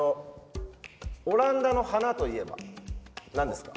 オランダの花といえば何ですか？